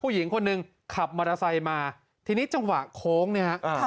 ผู้หญิงคนหนึ่งขับมอเตอร์ไซค์มาทีนี้จังหวะโค้งเนี่ยฮะ